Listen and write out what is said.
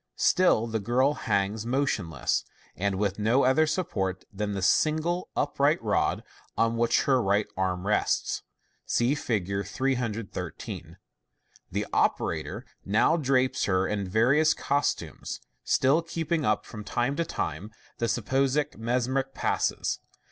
Still the girl hangs motionless, with no other support than the single upright rod on which her right arm rests. (See Fig. 313.) The operator now drapes her in various costumes, still keeping up from time to time the supposed mesmeric passes.